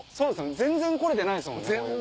全然来れてないですもんね。